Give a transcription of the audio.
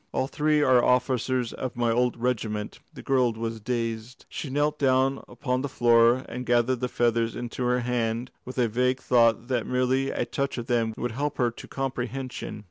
"All three are officers of my old regiment." The girl was dazed. She knelt down upon the floor and gathered the feathers into her hand with a vague thought that merely to touch them would help her to comprehension.